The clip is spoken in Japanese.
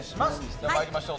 では参りましょう。